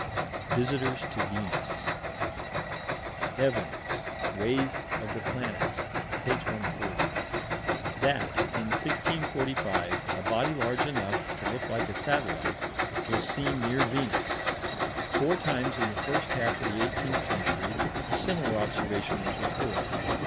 Visitors to Venus: Evans, Ways of the Planets, p. 140: That, in 1645, a body large enough to look like a satellite was seen near Venus. Four times in the first half of the 18th century, a similar observation was reported.